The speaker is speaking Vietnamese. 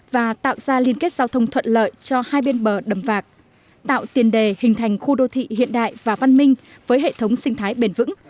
và tạo ra liên kết giao thông thuận lợi cho hai bên bờ đầm vạc tạo tiền đề hình thành khu đô thị hiện đại và văn minh với hệ thống sinh thái bền vững